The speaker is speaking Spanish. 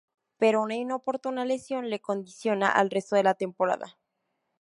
Pero una inoportuna lesión le condiciona el resto de la temporada.